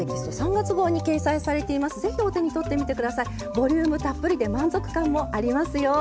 ボリュームたっぷりで満足感もありますよ。